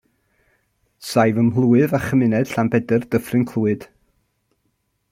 Saif ym mhlwyf a chymuned Llanbedr Dyffryn Clwyd.